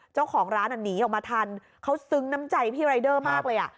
เจ้าของร้านอ่ะหนีออกมาทันเขาซึ้งน้ำใจพี่รายเดอร์มากเลยอ่ะ